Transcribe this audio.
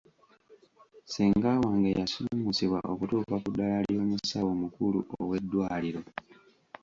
Ssenga wange yasuumuusibwa okutuuka ku ddaala ly'omusawo omukulu ow'eddwaliro.